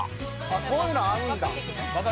「こういうの合うんだ」